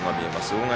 大垣